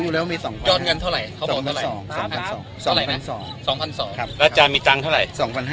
แล้วจะมีตังค์เท่าไหร่